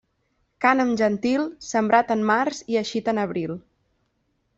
Cànem gentil, sembrat en març i eixit en abril.